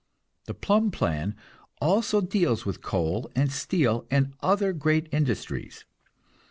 The Plumb plan also deals with coal and steel and other great industries.